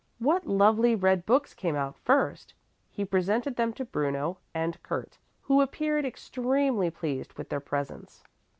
What lovely red books came out first! He presented them to Bruno and Kurt who appeared extremely pleased with their presents.